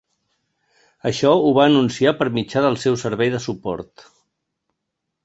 Això ho va anunciar per mitjà del seu servei de suport.